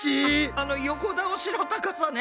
あの横倒しの高さね。